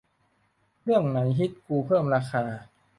เรื่องไหนฮิตกูเพิ่มราคา